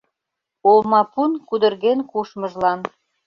Олмапун кудырген кушмыжлан